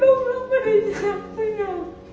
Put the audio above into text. เห็นรูปร้องไอ้แชมฟ์เลยนะ